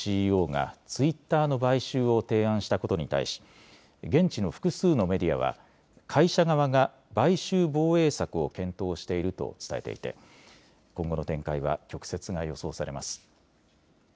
ＣＥＯがツイッターの買収を提案したことに対し現地の複数のメディアは会社側が買収防衛策を検討していると伝えていて今後の展開は曲折が予想されます。